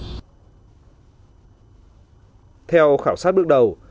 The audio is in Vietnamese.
theo khảo sát bước đầu